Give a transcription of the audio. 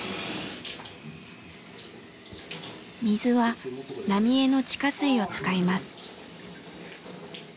水は浪江の地下水を使います。